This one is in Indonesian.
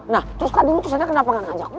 nah terus tadi lo kesana kenapa gak ngajak